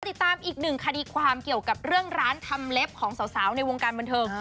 ติดตามอีกหนึ่งคดีความเกี่ยวกับเรื่องร้านทำเล็บของสาวในวงการบันเทิง